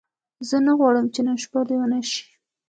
زه نه غواړم چې نن شپه لیونۍ شې.